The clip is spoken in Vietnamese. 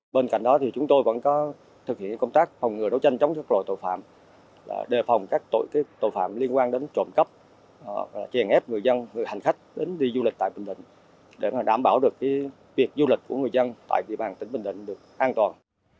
bên cạnh đó thì chúng tôi vẫn có thực hiện công tác phòng ngừa đấu tranh chống các loại tội phạm đề phòng các tội phạm liên quan đến trộm cắp triển ép người dân người hành khách đến đi du lịch tại bình định để đảm bảo được việc du lịch của người dân tại địa bàn tỉnh bình định được an toàn